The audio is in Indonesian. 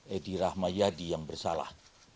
edi rahmayadi yang bersalah